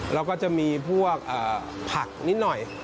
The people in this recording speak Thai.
แล้วก็จะมีพวกผักนิดหน่อย